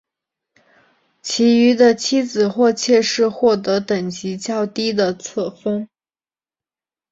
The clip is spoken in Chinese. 其余的妻子或妾室获得等级较低的册封。